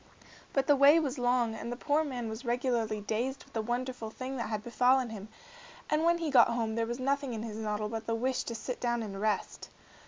But the way was long, and the poor man was regularly dazed with the wonderful thing that had befallen him, and when he got home there was nothing in his noddle but the wish to sit down and rest.